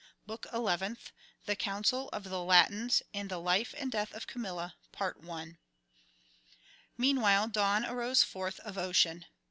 BOOK ELEVENTH THE COUNCIL OF THE LATINS, AND THE LIFE AND DEATH OF CAMILLA Meanwhile Dawn arose forth of Ocean.